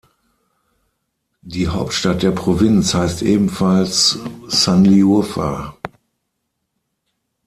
Die Hauptstadt der Provinz heißt ebenfalls Şanlıurfa.